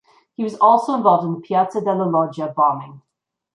He was also involved in the Piazza della Loggia bombing.